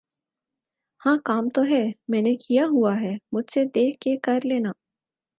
ہاں کام تو ہے۔۔۔ میں نے کیا ہوا ہے مجھ سے دیکھ کے کر لینا۔